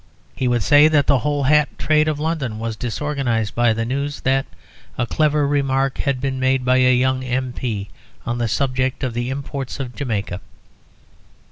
He would say that the whole hat trade of London was disorganised by the news that a clever remark had been made by a young M. P. on the subject of the imports of Jamaica.